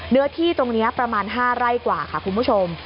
เนื้อที่ตรงนี้ประมาณ๕ไร่กว่าค่ะคุณผู้ชม